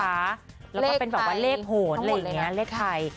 แล้วก็เป็นแบบว่าเลขโหนอะไรอย่างนี้เลขไทย